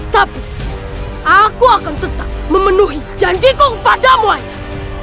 tapi aku akan tetap memenuhi janjiku padamu ayah